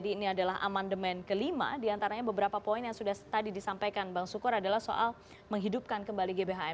jadi ini adalah amandemen kelima diantaranya beberapa poin yang sudah tadi disampaikan bang sukur adalah soal menghidupkan kembali gbhn